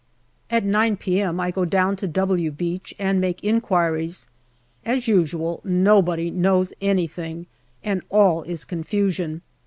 At 9 p.m. I go down to " W " Beach and make inquiries. As usual, nobody knows anything, and all is confusion.